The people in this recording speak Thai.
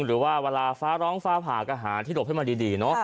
หรือว่าเวลาฟ้าร้องฝ้าผ่ากระหาที่โหลบให้มาดี